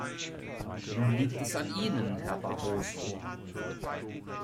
Nun liegt es an Ihnen, Herr Barroso.